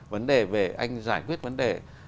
vấn đề về anh giải quyết vấn đề